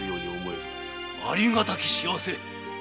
ありがたき幸せ。